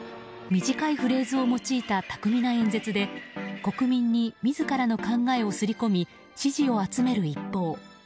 短いフレーズを用いた巧みな演説で国民に自らの考えを刷り込み支持を集める一方